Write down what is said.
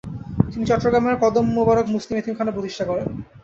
তিনি চট্টগ্রামের কদমমোবারক মুসলিম এতিমখানা প্রতিষ্ঠা করেন।